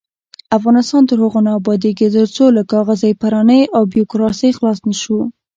افغانستان تر هغو نه ابادیږي، ترڅو له کاغذ پرانۍ او بیروکراسۍ خلاص نشو.